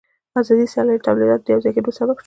آزاده سیالي د تولیداتو د یوځای کېدو سبب شوه